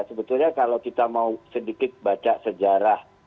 sebetulnya kalau kita mau sedikit baca sejarah